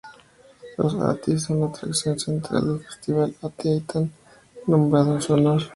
Los Ati son la atracción central del Festival Ati-atihan, nombrado en su honor.